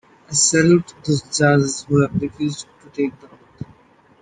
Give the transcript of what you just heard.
I salute those judges who have refused to take the oath.